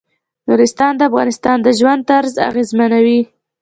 نورستان د افغانانو د ژوند طرز اغېزمنوي.